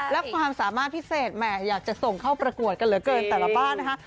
และความสามารถพิเศษแหมอยากจะส่งเข้าประกวดกันเหลือเกินแต่ละบ้านนะคะ